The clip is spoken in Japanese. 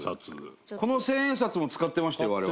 この千円札も使ってましたよ、我々。